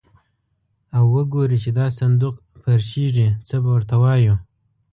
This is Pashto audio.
او وګوري چې دا صندوق پرشېږي، څه به ور ته وایو.